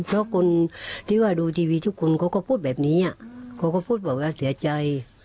เพราะคนที่ว่าดูทีวีทุกคนเขาก็พูดแบบนี้เขาก็พูดบอกว่าเสียใจ